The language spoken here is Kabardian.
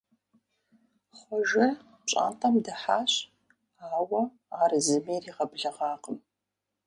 Хъуэжэ пщӀантӀэм дыхьащ, ауэ ар зыми иригъэблэгъакъым.